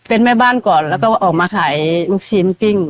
เป็นแม่บ้านก่อนแล้วก็ออกมาขายลูกชิ้นปิ้ง